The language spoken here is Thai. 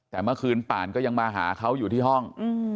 แต่เมื่อคืนป่านก็ยังมาหาเขาอยู่ที่ห้อง